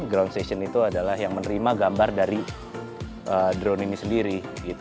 ground session itu adalah yang menerima gambar dari drone ini sendiri